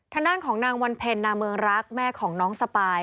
ทางด้านของนางวันเพ็ญนาเมืองรักแม่ของน้องสปาย